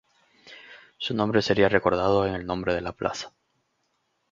Su nombre sería recordado en el nombre de la plaza.